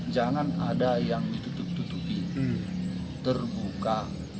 jangan ada yang ditutup tutupi terbuka